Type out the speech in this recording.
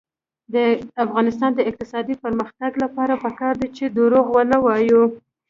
د افغانستان د اقتصادي پرمختګ لپاره پکار ده چې دروغ ونه وایو.